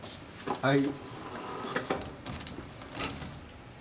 はい。